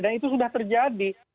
dan itu sudah terjadi